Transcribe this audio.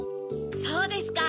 そうですか。